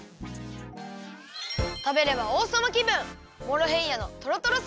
たべればおうさまきぶん！